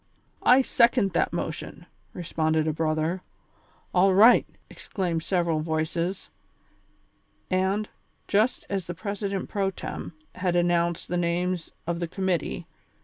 "I second that motion," responded a brother. "All right !" exclaimed several voices ; and, just as the president pro tem. had announced the names of this com mittee.